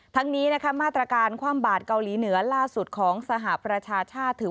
ทั้งนี้นะคะมาตรการความบาดเกาหลีเหนือล่าสุดของสหประชาชาติถือ